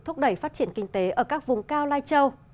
thúc đẩy phát triển kinh tế ở các vùng cao lifechâu